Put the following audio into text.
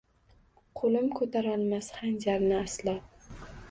Qo’lim ko’tarolmas xanjarni aslo.